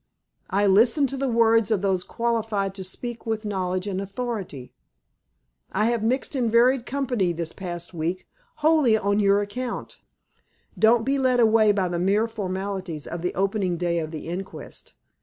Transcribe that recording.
"I listen to the words of those qualified to speak with knowledge and authority. I have mixed in varied company this past week, wholly on your account. Don't be led away by the mere formalities of the opening day of the inquest.